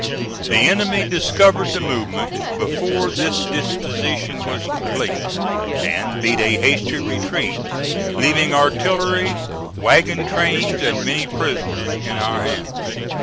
The enemy discovered the movement before these dispositions were complete, and beat a hasty retreat, leaving artillery, wagon trains, and many prisoners in our hands.